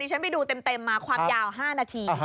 ฉันไปดูเต็มมาความยาว๕นาที